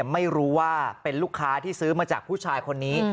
ไม่รู้ว่าเป็นลูกค้าที่ซื้อมาจากผู้ชายคนนี้